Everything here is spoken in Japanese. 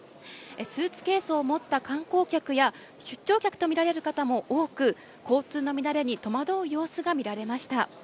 スーツケースを持った観光客や出張客とみられる方も多く、交通の乱れに戸惑う様子が見られました。